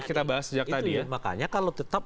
sejak tadi ya makanya kalau tetap